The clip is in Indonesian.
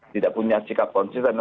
tidak punya sikap konsisten